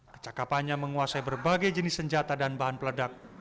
kecakapannya menguasai berbagai jenis senjata dan bahan peledak